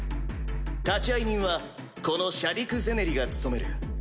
立会人はこのシャディク・ゼネリが務める。